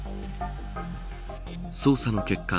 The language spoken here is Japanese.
捜査の結果